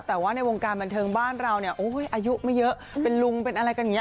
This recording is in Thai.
แต่ว่าในวงการบันเทิงบ้านเราเนี่ยอายุไม่เยอะเป็นลุงเป็นอะไรกันอย่างนี้